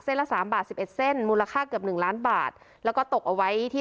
นะเส้นละสามบาท๑๑เส้นมูลค่าเกือบ๑ล้านบาทแล้วก็ตกเอาไว้ที่